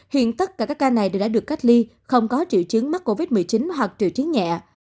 hiện tất cả các ca này đều đã được cách ly không có triệu chứng mắc covid một mươi chín hoặc triệu chứng nhẹ